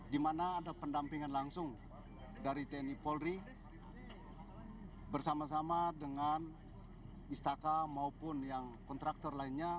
di mana ada pendampingan langsung dari tni polri bersama sama dengan istaka maupun yang kontraktor lainnya